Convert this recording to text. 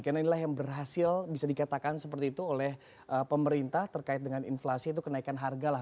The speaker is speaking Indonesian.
karena inilah yang berhasil bisa dikatakan seperti itu oleh pemerintah terkait dengan inflasi itu kenaikan harga lah